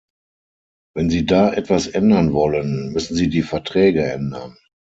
Wenn Sie da etwas ändern wollen, müssen Sie die Verträge ändern.